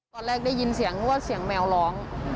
ตอนแรกได้ยินเสียงว่าเสียงแมวร้อง